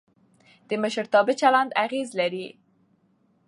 د مشرتابه چلند اغېز لري